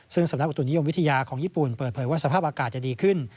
ซึ่งสำนักอุตุนิยมวิทยาของญี่ปุ่นเปิดเผยว่าสภาพอากาศจะดีขึ้น